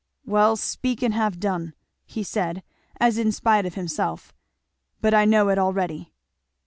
"Well speak and have done," he said as in spite of himself; but I know it already."